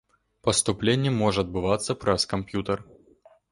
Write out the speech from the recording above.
Паступленне можа адбывацца праз камп'ютар.